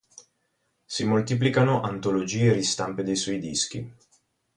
Si moltiplicano antologie e ristampe dei suoi dischi.